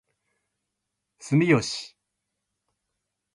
住吉